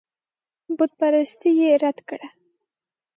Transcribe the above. بتپرستي یې رد کړه.